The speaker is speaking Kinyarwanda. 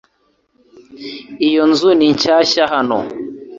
Iyo nzu ni shyashya hano .